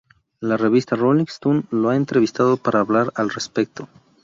La Revista Rolling Stone lo ha entrevistado para hablar al respecto".